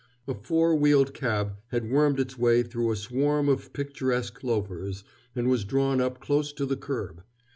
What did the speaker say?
A four wheeled cab had wormed its way through a swarm of picturesque loafers, and was drawn up close to the kerb.